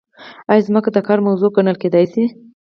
ایا ځمکه د کار موضوع ګڼل کیدای شي؟